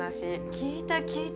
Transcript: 聞いた聞いた。